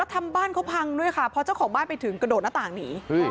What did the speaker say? แล้วทำมาบ้านเขาพังด้วยค่ะเพราะเจ้าของบ้านไปถึงกระโดดหน้าตาหงิอ